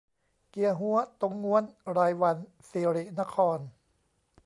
เกียฮั้ว ตงง้วน รายวัน ศิรินคร